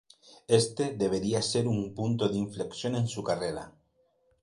Este debería ser un punto de inflexión en su carrera".